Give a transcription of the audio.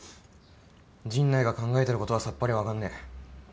陣内が考えてることはさっぱり分かんねえ。